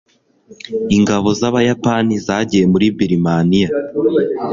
ingabo z'abayapani zagiye muri birmaniya